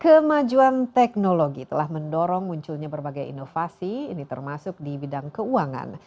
kemajuan teknologi telah mendorong munculnya berbagai inovasi ini termasuk di bidang keuangan